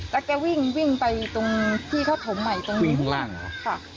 แล้วแกวิ่งวิ่งไปตรงที่เขาถมใหม่ตรงวิ่งข้างล่างเหรอค่ะ